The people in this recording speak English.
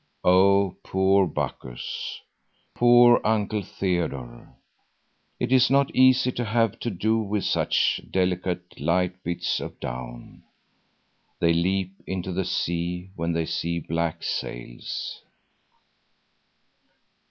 Oh, poor Bacchus, poor Uncle Theodore! It is not easy to have to do with such delicate, light bits of down.—They leap into the sea when they see the black sails.